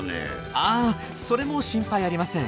あそれも心配ありません。